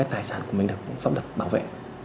tài sản của mình được pháp luật bảo vệ